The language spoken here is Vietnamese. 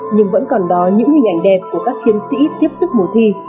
nhưng vẫn còn đó những hình ảnh đẹp của các chiến sĩ tiếp sức mùa thi